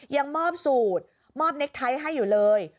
ยังมอบสูตรมอบเน็กไทยให้อยู่เลย